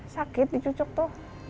sakit dicucuk tuh